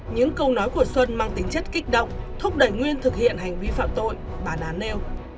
những câu nói của xuân mang tính chất kích động thúc đẩy nguyên thực hiện hành vi phạm tội bản án nêu